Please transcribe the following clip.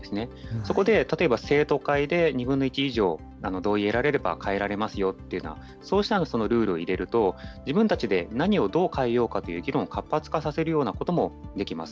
そこで例えば生徒会で２分の１以上の同意得られれば変えられますよというような、そうしたルールを入れると、自分たちで何をどう変えようかという議論を活発化させるようなこともできます。